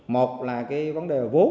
một là cái vấn đề vô